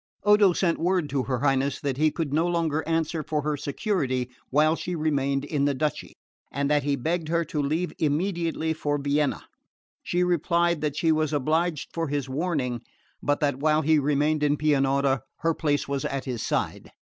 Odo sent word to her Highness that he could no longer answer for her security while she remained in the duchy, and that he begged her to leave immediately for Vienna. She replied that she was obliged for his warning, but that while he remained in Pianura her place was at his side.